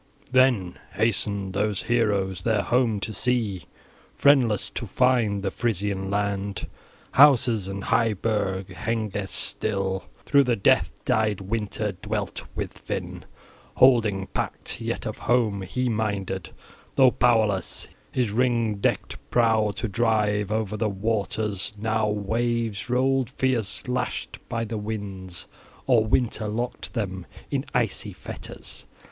XVII THEN hastened those heroes their home to see, friendless, to find the Frisian land, houses and high burg. Hengest still through the death dyed winter dwelt with Finn, holding pact, yet of home he minded, though powerless his ring decked prow to drive over the waters, now waves rolled fierce lashed by the winds, or winter locked them in icy fetters.